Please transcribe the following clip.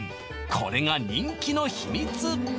これが人気の秘密